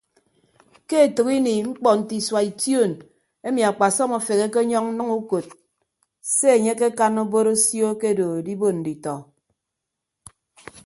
Ke etәk ini mkpọ nte isua ition emi akpasọm afeheke ọnyọñ nnʌñ ukod se enye akekan obod osio akedo edibon nditọ.